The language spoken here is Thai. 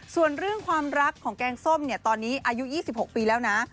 ส่วนเรื่องความรักของแกงส้มเนี่ยตอนนี้อายุ๒๖ปีแล้วนะ